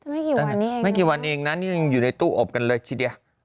ไม่ได้กี่วันเองนะอยู่ในตู้อบกันเลยทีเดียว